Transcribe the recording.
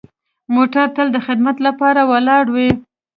موټر تل د خدمت لپاره ولاړ وي.